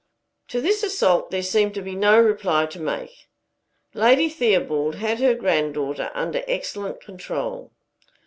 To this assault there seemed to be no reply to make. Lady Theobald had her granddaughter under excellent control.